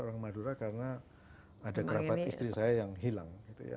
karena ada kelabat istri saya yang hilang